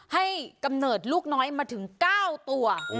กำเนิดลูกน้อยมาถึง๙ตัว